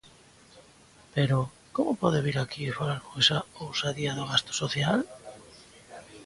Pero, ¿como pode vir aquí e falar con esa ousadía do gasto social?